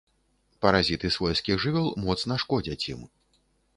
Паразіты свойскіх жывёл моцна шкодзяць ім.